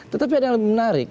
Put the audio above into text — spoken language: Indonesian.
tetapi ada yang lebih menarik